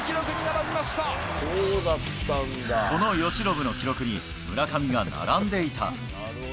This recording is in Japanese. この由伸の記録に、村上が並んでいた。